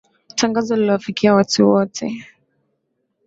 Tangazo liliwafikia watu wote